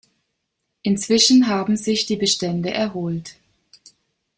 Inzwischen haben sich die Bestände erholt.